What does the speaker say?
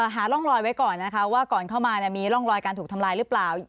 หาร่องรอยไว้ก่อนนะคะว่าก่อนเข้ามามีร่องรอยการถูกทำลายหรือเปล่า